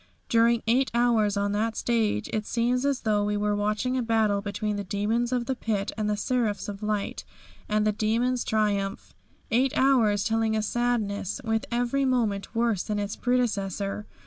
During eight hours on that stage it seems as though we were watching a battle between the demons of the Pit and the seraphs of Light, and the demons triumph. Eight hours telling a sadness, with every moment worse than its predecessor.